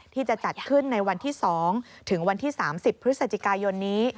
ที่จะจัดขึ้นในวันที่๒ถึงวันที่๓๐พฤศจิกายนนี้